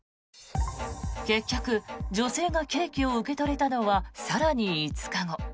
結局、女性がケーキを受け取れたのは更に５日後。